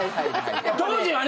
当時はね。